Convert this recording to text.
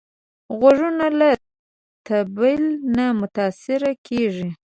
غوږونه له طبل نه متاثره کېږي